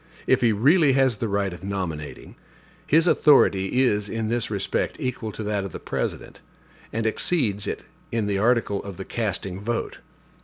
If he really has the right of nominating, his authority is in this respect equal to that of the President, and exceeds it in the article of the casting vote.